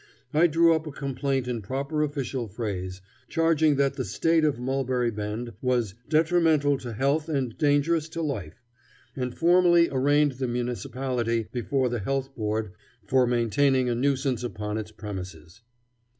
I drew up a complaint in proper official phrase, charging that the state of Mulberry Bend was "detrimental to health and dangerous to life," and formally arraigned the municipality before the Health Board for maintaining a nuisance upon its premises.